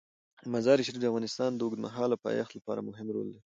مزارشریف د افغانستان د اوږدمهاله پایښت لپاره مهم رول لري.